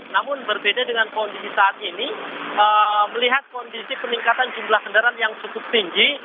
namun berbeda dengan kondisi saat ini melihat kondisi peningkatan jumlah kendaraan yang cukup tinggi